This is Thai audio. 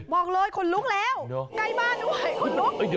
พี่พินโย